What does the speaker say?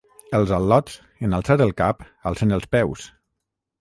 Els al·lots, en alçar el cap alcen els peus.